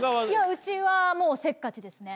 うちはもうせっかちですね。